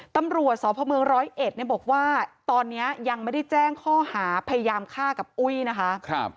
ตำรวจศพเมือง๑๐๑บอกว่าตอนนี้ยังไม่ได้แจ้งข้อหาพยายามฆ่ากับอุ้ยนะคะ